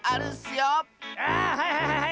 あはいはいはい！